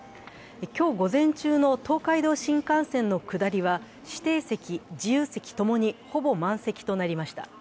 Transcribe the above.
今日午前中の東海道新幹線の下りは指定席・自由席ともにほぼ満席となりました。